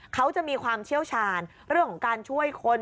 เขาจะมีความเชี่ยวชาญเรื่องของการช่วยคน